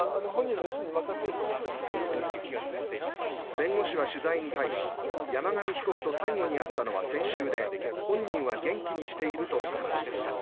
弁護士は取材に対し山上被告と最後に会ったのは先週で本人は元気にしていると話しました。